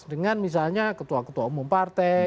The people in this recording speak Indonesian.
dengan misalnya ketua ketua umum partai